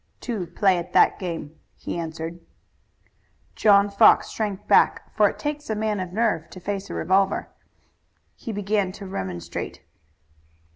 "Two play at that game," he answered. John Fox shrank back, for it takes a man of nerve to face a revolver. He began to remonstrate.